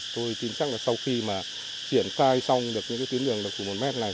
tôi tin chắc là sau khi triển khai xong những tiến đường đặc thù một m này